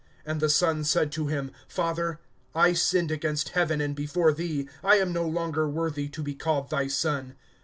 (21)And the son said to him: Father, I sinned against heaven, and before thee; I am no longer worthy to be called thy son.